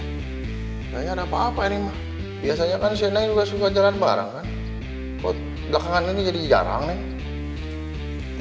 kayaknya ada apa apa ini mah biasanya kan cnn juga suka jalan bareng kan kok belakangan ini jadi jarang nih